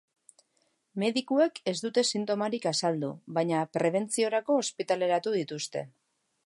Medikuek ez dute sintomarik azaldu, baina prebentziorako ospitaleratu dituzte.